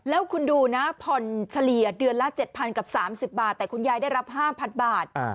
แล้วคุณดูนะผ่อนเฉลี่ยเดือนละ๗๐๐กับ๓๐บาทแต่คุณยายได้รับ๕๐๐บาท